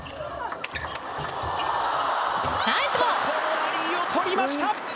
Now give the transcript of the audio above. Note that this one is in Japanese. このラリーを取りました